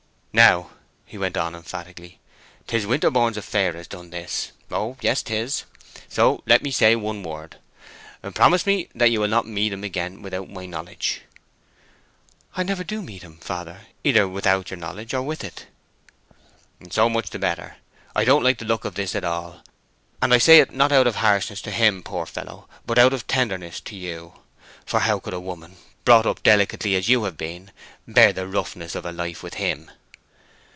"Now," he went on, emphatically, "'tis Winterborne's affair has done this. Oh yes, 'tis. So let me say one word. Promise me that you will not meet him again without my knowledge." "I never do meet him, father, either without your knowledge or with it." "So much the better. I don't like the look of this at all. And I say it not out of harshness to him, poor fellow, but out of tenderness to you. For how could a woman, brought up delicately as you have been, bear the roughness of a life with him?"